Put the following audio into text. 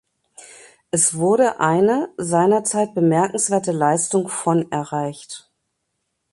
Es wurde eine seinerzeit bemerkenswerte Leistung von erreicht.